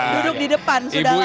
duduk di depan sudah lama